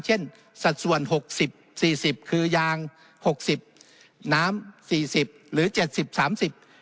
สัดส่วนหกสิบสี่สิบคือยางหกสิบน้ำสี่สิบหรือเจ็ดสิบสามสิบ